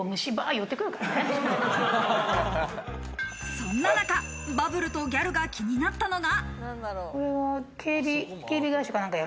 そんな中、バブルとギャルが気になったのが。